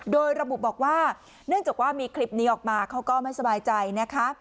โดยระบุบอกว่าเนื่องจากว่ามีคลิปนี้ออกมาเขาก็ไม่สบายใจนะคะ